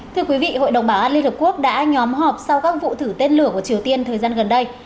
thưa quý vị hội đồng bảo an liên hợp quốc đã nhóm họp sau các vụ thử tên lửa của triều tiên thời gian gần đây